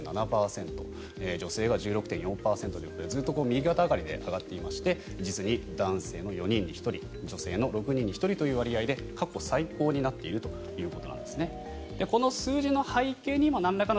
女性は１６．４％でずっと右肩上がりで上がっていまして男性の４人に１人女性の６人に１人ということで過去最高になっているということなんですね。